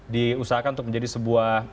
diusahakan untuk menjadi sebuah